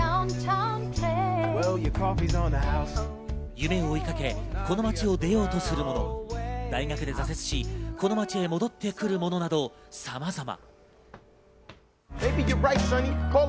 夢を追いかけ、この街を出ようとするも大学で挫折しこの街へ戻ってくる者など、さまざま。